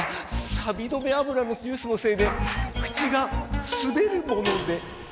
さび止めあぶらのジュースのせいで口がすべるもので。